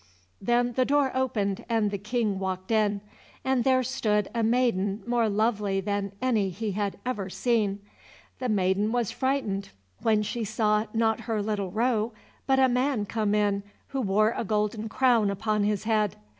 Then the door opened, and the King walked in, and there stood a maiden more lovely than any he had ever seen. The maiden was frightened when she saw, not her little roe, but a man come in who wore a golden crown upon his head.